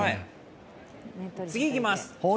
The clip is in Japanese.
次いきます。